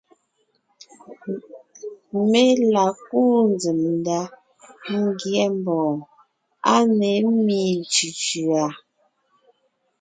Mé la kúu nzsèm ndá ńgyɛ́ mbɔ̀ɔn á ne ḿmi cʉ̀cʉ̀a;